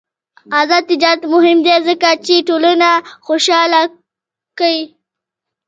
آزاد تجارت مهم دی ځکه چې ټولنه خوشحاله کوي.